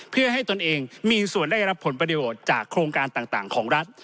เพื่อให้ตนเองมีส่วนได้รับผลประโยชน์จากโครงการต่างของรัฐ